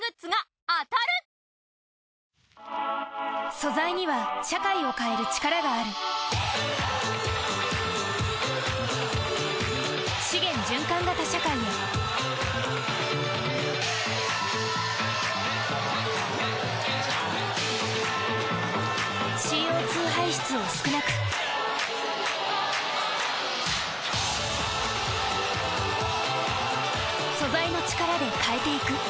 素材には社会を変える力がある資源循環型社会へＣＯ２排出を少なく素材の力で変えていく